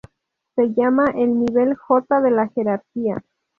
Se llama el nivel j de la jerarquía.